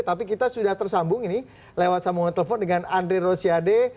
tapi kita sudah tersambung ini lewat sambungan telepon dengan andre rosiade